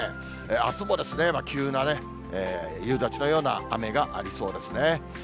あすも急なね、夕立のような雨がありそうですね。